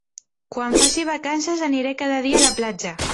Quan faci vacances aniré cada dia a la platja.